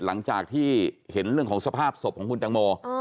หลังจากที่เห็นเรื่องของสภาพศพของคุณตังโม